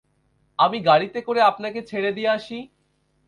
আমি গাড়িতে করে আপনাকে ছেড়ে দিয়ে আাসি।